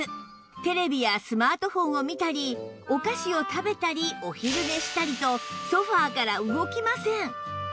テレビやスマートフォンを見たりお菓子を食べたりお昼寝したりとソファから動きません